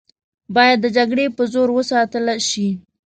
باید د جګړې په زور وساتله شي.